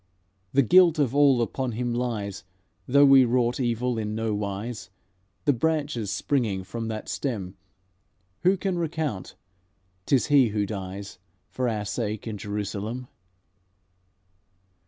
The guilt of all upon Him lies, Though He wrought evil in no wise. The branches springing from that stem Who can recount? 'T is He who dies For our sake in Jerusalem.'"